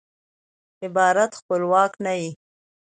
عبارت خپلواک نه يي.